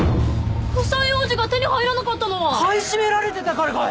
房楊枝が手に入らなかったのは買い占められてたからかい